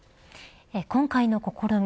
今回の試み